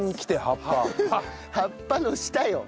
葉っぱの下よ。